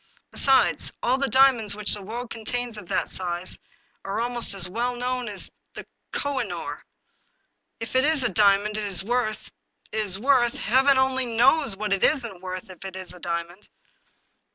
Besides, all the diamonds which the world contains of that size are almost as well known as the Koh i noor. " If it is a diamond, it is worth — it is worth — Heaven only knows what it isn't worth if it's a diamond."